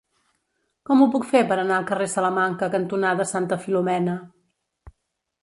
Com ho puc fer per anar al carrer Salamanca cantonada Santa Filomena?